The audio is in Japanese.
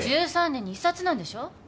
１３年に１冊なんでしょ？